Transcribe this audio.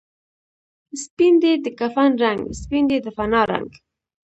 سپین دی د کفن رنګ، سپین دی د فنا رنګ